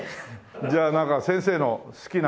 じゃあなんか先生の好きな。